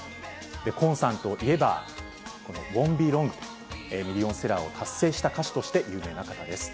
コーンさんといえば、このＷＯＮ’ＴＢＥＬＯＮＧ、ミリオンセラーを達成した歌手として有名な方です。